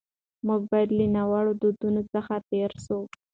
موږ باید له ناوړه دودونو څخه تېر سو.